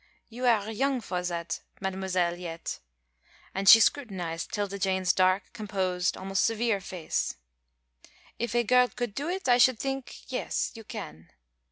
"You are young for that, mademoiselle, yet " and she scrutinised 'Tilda Jane's dark, composed, almost severe face "if a girl could do it, I should think yes you can.